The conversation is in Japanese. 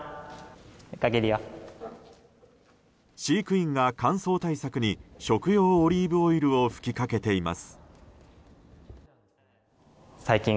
飼育員が乾燥対策に食用オリーブオイルを吹きかけています。